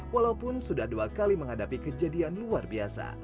walaupun sudah dua kali menghadapi kejadian luar biasa